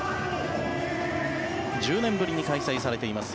１０年ぶりに開催されています